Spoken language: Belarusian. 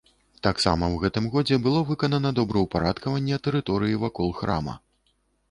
Таксама ў гэтым годзе было выканана добраўпарадкаванне тэрыторыі вакол храма.